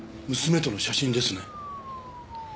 娘との写真ですね？